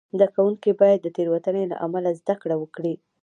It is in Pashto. زده کوونکي باید د تېروتنې له امله زده کړه وکړي.